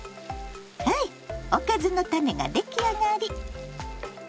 ハイおかずのタネが出来上がり。